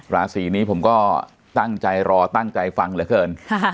ราศีนี้ผมก็ตั้งใจรอตั้งใจฟังเหลือเกิน